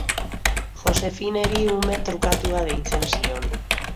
Josephineri ume trukatua deitzen zion.